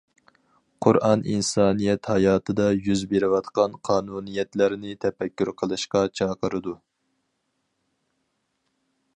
قۇرئان ئىنسانىيەت ھاياتىدا يۈز بېرىۋاتقان قانۇنىيەتلەرنى تەپەككۇر قىلىشقا چاقىرىدۇ.